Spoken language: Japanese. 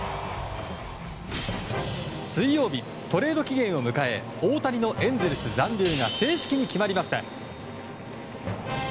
水曜日、トレード期限を迎え大谷のエンゼルス残留が正式に決まりました。